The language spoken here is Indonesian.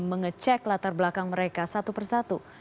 mengecek latar belakang mereka satu persatu